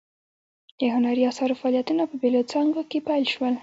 د هنري اثارو فعالیتونه په بیلو څانګو کې پیل شول.